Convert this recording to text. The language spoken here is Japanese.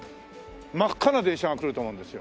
真っ赤な電車が来ると思うんですよ。